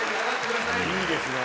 いいですね。